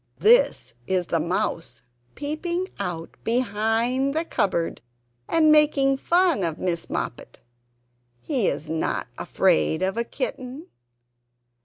This is the Mouse peeping out behind the cupboard and making fun of Miss Moppet. He is not afraid of a kitten.